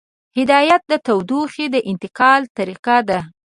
هدایت د تودوخې د انتقال طریقه ده.